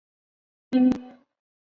直到今天依然在影响中国的文化。